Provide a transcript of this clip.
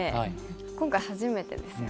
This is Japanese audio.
今回初めてですよね。